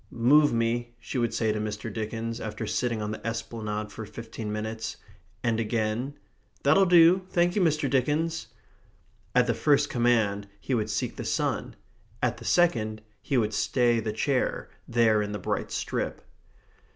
"Move me," she would say to Mr. Dickens, after sitting on the esplanade for fifteen minutes. And again, "That'll do, thank you, Mr. Dickens." At the first command he would seek the sun; at the second he would stay the chair there in the bright strip.